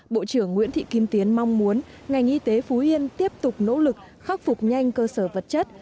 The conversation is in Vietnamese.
bộ trưởng nguyễn thị kim tiến mong muốn ngành y tế phú yên tiếp tục nỗ lực khắc phục nhanh cơ sở vật chất